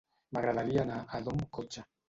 M'agradaria anar a Ador amb cotxe.